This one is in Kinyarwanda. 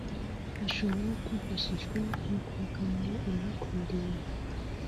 ashobora kwifashishwa mu kubakanira urubakwiriye